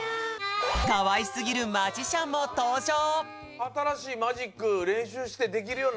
かわいすぎるマジシャンも登場。